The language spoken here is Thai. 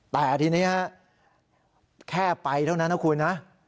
แต่ทีนี้ฮะแค่ไปเท่านั้นนะคุณนะ